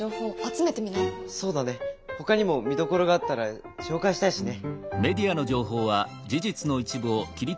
そうだねほかにも見どころがあったら紹介したいしね。